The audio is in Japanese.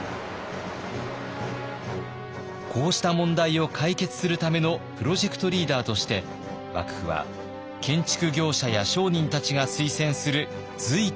こうした問題を解決するためのプロジェクトリーダーとして幕府は建築業者や商人たちが推薦する瑞賢を抜てき。